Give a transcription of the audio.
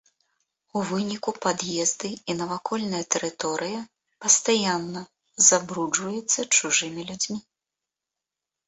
У выніку пад'езды і навакольная тэрыторыя пастаянна забруджваецца чужымі людзьмі.